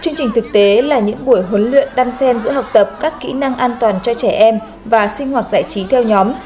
chương trình thực tế là những buổi huấn luyện đan sen giữa học tập các kỹ năng an toàn cho trẻ em và sinh hoạt giải trí theo nhóm